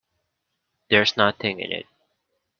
There's nothing in it.